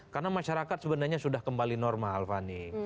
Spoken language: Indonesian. karena masyarakat sebenarnya sudah kembali normal fani